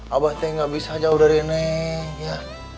abah tuh gak bisa jauh dari neng ya